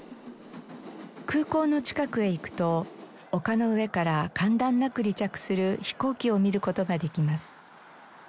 空港の近くへ行くと丘の上から間断なく離着する飛行機を見る事ができます。